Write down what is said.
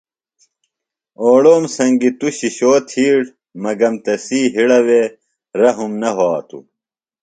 اوڑوم سنگیۡ تُوۡ شِشو تِھیڑ مگم تسی ہڑہ وے رحم نہ وھاتوۡ۔